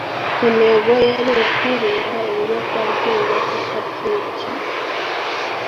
intero yari ukwirinda ibiyobyabwenge kuko byica.